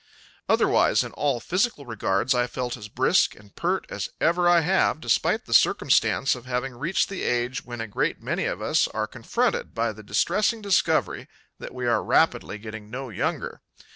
Otherwise, in all physical regards, I felt as brisk and peart as ever I have, despite the circumstance of having reached the age when a great many of us are confronted by the distressing discovery that we are rapidly getting no younger.